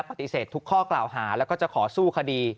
ปฏิเสธทุกข้อกล่าวหาแล้วก็จะขอสู้คดี